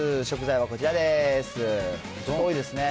食材はこちらです。